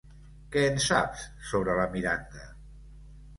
Què en saps, sobre la Miranda?